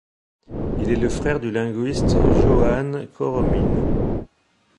Il est le frère du linguiste Joan Coromines.